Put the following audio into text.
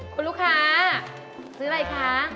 คุณลูกค้าซื้ออะไรคะ